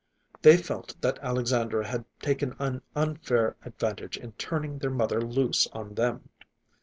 They felt that Alexandra had taken an unfair advantage in turning their mother loose on them.